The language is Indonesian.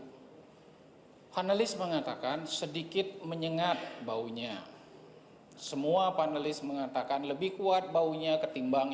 hai panelis mengatakan sedikit menyengat baunya semua panelis mengatakan lebih kuat baunya ketimbang